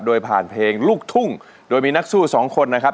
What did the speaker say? โดยผ่านเพลงลูกทุ่งโดยมีนักสู้สองคนนะครับ